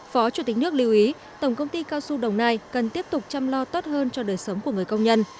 phó chủ tịch nước lưu ý tổng công ty cao su đồng nai cần tiếp tục chăm lo tốt hơn cho đời sống của người công nhân